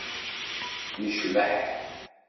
Necbeḥ.